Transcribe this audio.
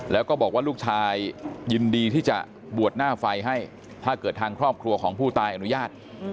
แล้วก็บอกว่าลูกชายยินดีที่จะบวชหน้าไฟให้ถ้าเกิดทางครอบครัวของผู้ตายอนุญาต